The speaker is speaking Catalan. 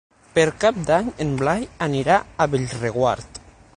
Per Cap d'Any en Blai anirà a Bellreguard.